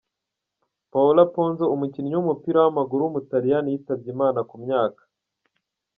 Paolo Ponzo, umukinnyi w’umupira w’amaguru w’umutaliyani yitabye Imana, ku myaka .